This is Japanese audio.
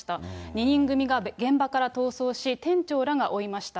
２人組が現場から逃走し、店長らが追いました。